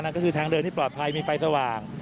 ก็คือทางเดินที่ปลอดภัยมีไฟสว่าง